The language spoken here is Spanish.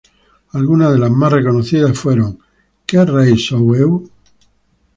Algunas de las más conocidas fueron "Que Rei Sou Eu?